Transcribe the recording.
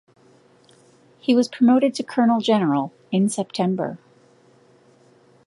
He was promoted to colonel general in September.